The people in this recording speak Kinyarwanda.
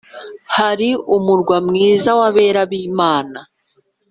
Hari umurwa mwiza w’abera b’Imana